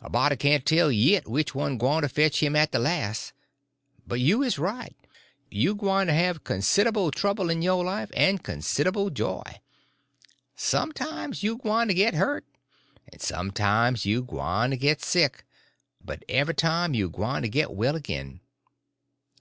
A body can't tell yit which one gwyne to fetch him at de las'. But you is all right. You gwyne to have considable trouble in yo' life, en considable joy. Sometimes you gwyne to git hurt, en sometimes you gwyne to git sick; but every time you's gwyne to git well agin.